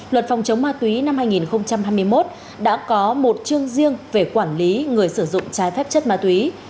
luật phòng chống ma túy năm hai nghìn hai mươi một đã có một chương riêng về quản lý người sử dụng trái phép chất ma túy